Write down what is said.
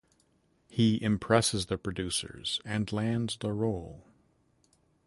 He impresses the producers and lands the role.